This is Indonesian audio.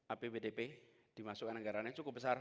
apbdp dimasukkan anggarannya cukup besar